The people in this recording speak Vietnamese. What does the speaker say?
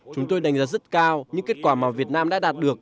chúng tôi đánh giá rất cao những kết quả mà việt nam đã đạt được